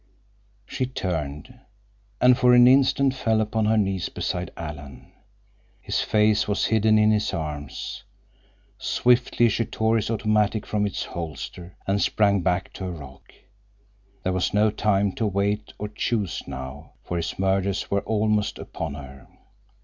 She turned, and for an instant fell upon her knees beside Alan. His face was hidden in his arm. Swiftly she tore his automatic from its holster, and sprang back to her rock. There was no time to wait or choose now, for his murderers were almost upon her.